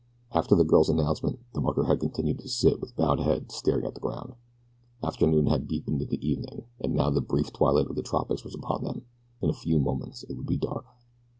After the girl's announcement the mucker had continued to sit with bowed head staring at the ground. Afternoon had deepened into evening, and now the brief twilight of the tropics was upon them in a few moments it would be dark.